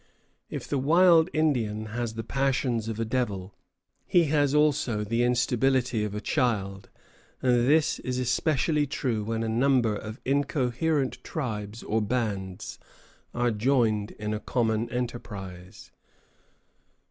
If the wild Indian has the passions of a devil, he has also the instability of a child; and this is especially true when a number of incoherent tribes or bands are joined in a common enterprise.